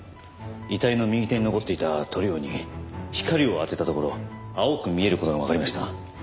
遺体の右手に残っていた塗料に光を当てたところ青く見える事がわかりました。